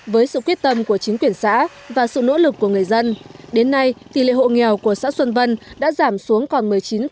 với sự quyết tâm của chính quyền xã và sự nỗ lực của người dân đến nay tỷ lệ hộ nghèo của xã xuân vân đã giảm xuống còn một mươi chín